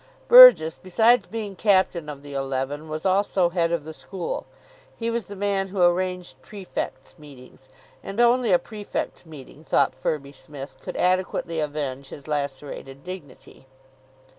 Burgess, besides being captain of the eleven, was also head of the school. He was the man who arranged prefects' meetings. And only a prefects' meeting, thought Firby Smith, could adequately avenge his lacerated dignity.